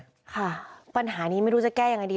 ค่ะปัญหานี้ไม่รู้จะแก้ยังไงดี